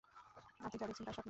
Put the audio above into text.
আপনি যা দেখছেন তা স্বপ্ন।